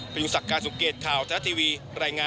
เป็นอยุศักดิ์การสงกรีดข่าวท้าทาทีวี